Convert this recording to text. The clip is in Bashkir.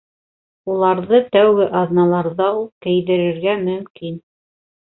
Уларҙы тәүге аҙналарҙа уҡ кейҙерергә мөмкин.